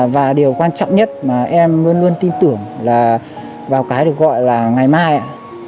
và điều quan trọng nhất mà em luôn luôn tin tưởng là vào cái được gọi là ngày mai